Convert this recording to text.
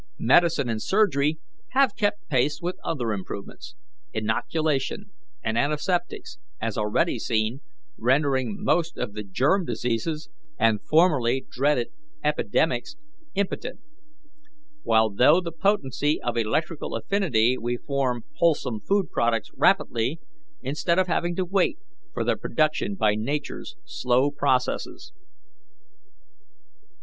"Medicine and surgery have kept pace with other improvements inoculation and antiseptics, as already seen, rendering most of the germ diseases and formerly dreaded epidemics impotent; while through the potency of electrical affinity we form wholesome food products rapidly, instead of having to wait for their production by Nature's slow processes.